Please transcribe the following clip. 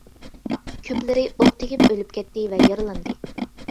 كۆپلىرى ئوق تېگىپ ئۆلۈپ كەتتى ۋە يارىلاندى.